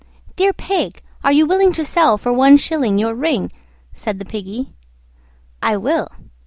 III. "Dear Pig, are you willing to sell for one shilling Your ring?" Said the Piggy, "I will."